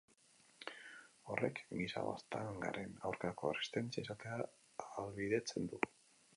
Horrek giza baztangaren aurkako erresistentzia izatea ahalbidetzen du.